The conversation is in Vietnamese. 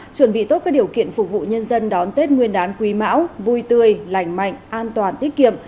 chuẩn bị tốt các điều kiện phục vụ nhân dân đón tết nguyên đán quý mão vui tươi lành mạnh an toàn tiết kiệm